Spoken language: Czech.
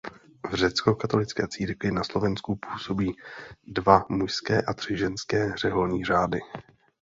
V řeckokatolické církvi na Slovensku působí dva mužské a tři ženské řeholní řády.